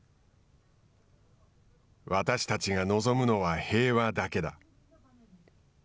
私たちが望むのは平和だけだ。